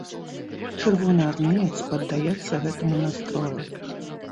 Чырвонаармеец паддаецца гэтаму настрою.